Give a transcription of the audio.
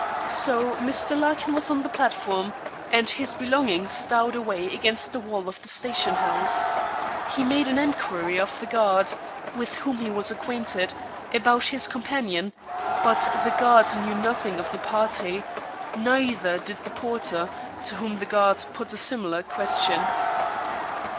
So, Mr. Larkin was on the platform, and his belongings stowed away against the wall of the station house. He made an enquiry of the guard, with whom he was acquainted, about his companion; but the guard knew nothing of the 'party,' neither did the porter, to whom the guard put a similar question.